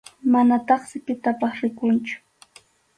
Manataqsi pitapas rikunchu.